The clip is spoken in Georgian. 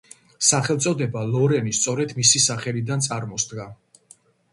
სახელწოდება ლორენი სწორედ მისი სახელიდან წარმოსდგა.